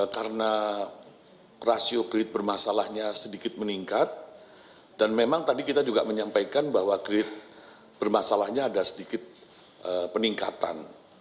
karena rasio kredit bermasalahnya sedikit meningkat dan memang tadi kita juga menyampaikan bahwa kredit bermasalahnya ada sedikit peningkatan